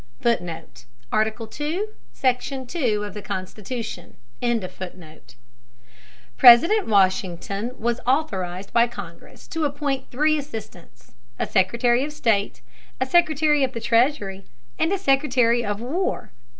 [Footnote: Article II, Section II, of the Constitution.] President Washington was authorized by Congress to appoint three assistants: a Secretary of State, a Secretary of the Treasury, and a Secretary of War.